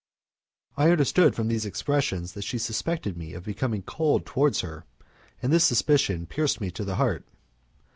I understood from these expressions that she suspected me of becoming cold towards her, and this suspicion pierced me to the heart.